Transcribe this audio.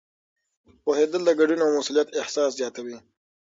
پوهېدل د ګډون او مسؤلیت احساس زیاتوي.